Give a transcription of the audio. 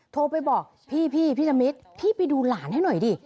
โทรไปบอกพี่พี่ธมิตรพี่ไปดูหลานให้หน่อยดิ